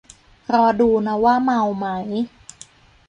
รอดูนะว่าเมามั้ย